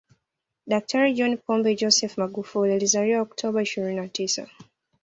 Daktari John Pombe Joseph Magufuli alizaliwa Oktoba ishirini na tisa